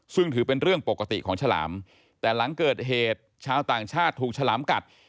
ซึ่งถือเป็นเรื่องปกติของฉลามแต่หลังเกิดเหตุชาวต่างชาติถูกฉลามกัด